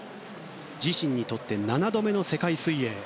自身にとって７度目の世界水泳。